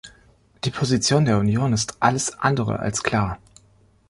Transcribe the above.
Die Position der Union ist alles andere als klar.